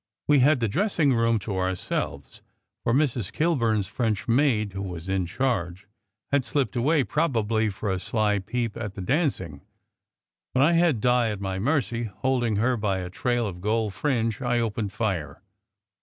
We had the dressing room to ourselves, for Mrs. Kil burn s French maid, who was in charge, had slipped away, probably for a sly peep at the dancing. When I had Di at my mercy, holding her by a trail of gold fringe, I opened fire.